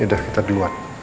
ya udah kita duat